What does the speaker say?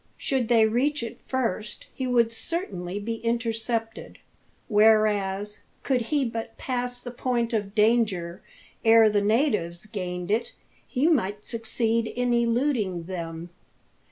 Should they reach it first, he would certainly be intercepted; whereas, could he but pass the point of danger ere' the natives gained it, he might succeed in eluding them.